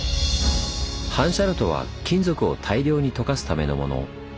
反射炉とは金属を大量に溶かすためのもの。